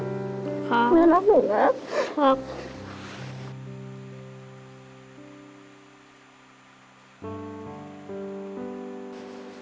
ขอบลูกชิกการณ์รักหนูนะ